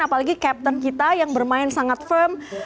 apalagi captain kita yang bermain sangat firm